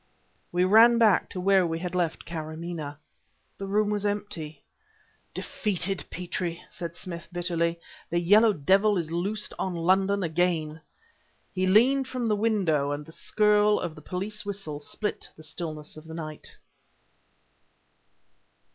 We ran back to where we had left Karamaneh. The room was empty! "Defeated, Petrie!" said Smith, bitterly. "The Yellow Devil is loosed on London again!" He leaned from the window and the skirl of a police whistle split the stillness of the night.